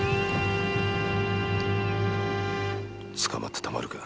捕まってたまるか。